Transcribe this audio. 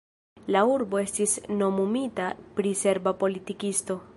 La urbo estis nomumita pri serba politikisto.